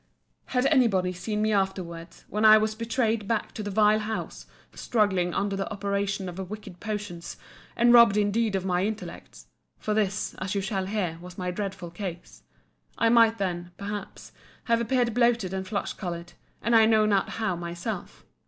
Had any body seen me afterwards, when I was betrayed back to the vile house, struggling under the operation of wicked potions, and robbed indeed of my intellects (for this, as you shall hear, was my dreadful case,) I might then, perhaps, have appeared bloated and flush coloured, and I know not how myself.